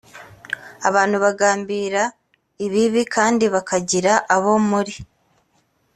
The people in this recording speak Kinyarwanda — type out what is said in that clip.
abantu bagambirira ibibi kandi bakagira abo muri